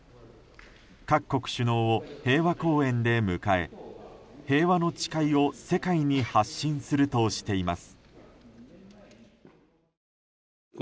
各国首脳を平和公園で迎え平和の誓いを世界に発信するとしています。